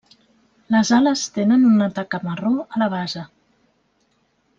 Les ales tenen una taca marró a la base.